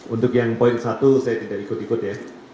untuk yang poin satu saya tidak ikut ikut ya